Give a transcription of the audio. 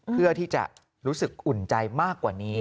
เพื่อที่จะรู้สึกอุ่นใจมากกว่านี้